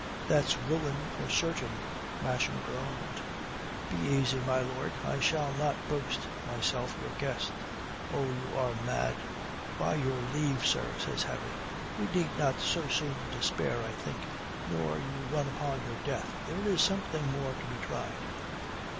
"That's ruin for certain," Masham groaned. "Be easy, my lord. I shall not boast myself your guest." "Oh, you are mad." "By your leave, sir," says Harry. "We need not so soon despair, I think, nor you run upon your death. There is something more to be tried.